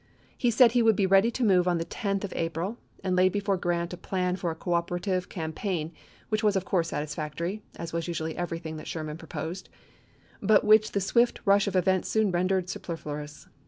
He said he would be ready to move on the 10th of April, and laid before Grant a plan for a coopera tive campaign, which was of course satisfactory, as was usually everything that Sherman proposed, but which the swift rush of events soon rendered super fluous.